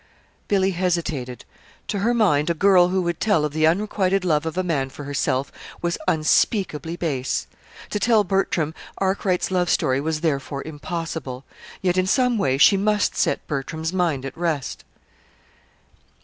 Billy hesitated. To her mind, a girl who would tell of the unrequited love of a man for herself, was unspeakably base. To tell Bertram Arkwright's love story was therefore impossible. Yet, in some way, she must set Bertram's mind at rest.